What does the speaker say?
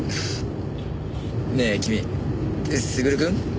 ねえ君優くん？